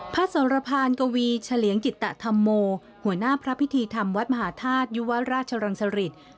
สรพานกวีเฉลียงกิตธรรมโมหัวหน้าพระพิธีธรรมวัดมหาธาตุยุวราชรังสริต